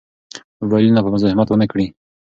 موبایلونه به مزاحمت ونه کړي.